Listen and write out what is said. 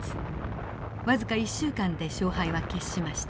僅か１週間で勝敗は決しました。